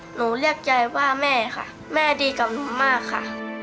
หนูเรียกใจว่าแม่ค่ะแม่ดีกับหนูมากค่ะ